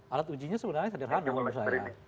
alat ujinya sebenarnya sederhana